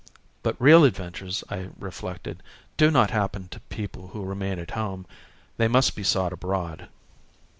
But real adventures, I reflected, do not happen to people who remain at home: they must be sought abroad.